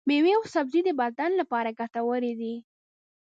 ميوې او سبزي د بدن لپاره ګټورې دي.